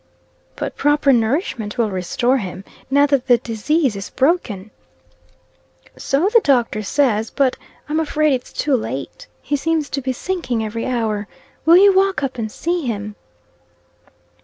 "But proper nourishment will restore him, now that the disease is broken." "So the doctor says. But I'm afraid it's too late. He seems to be sinking every hour. Will you walk up and see him?"